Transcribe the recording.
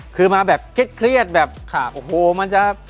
คือมาแบบเครียดแบบขาบโอ้โหมันจะ